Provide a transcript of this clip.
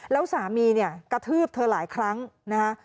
แล้วสามีเนี่ยกระทืบเธอหลายครั้งนะคะ